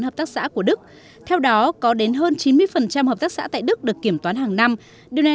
hợp tác xã của đức theo đó có đến hơn chín mươi hợp tác xã tại đức được kiểm toán hàng năm điều này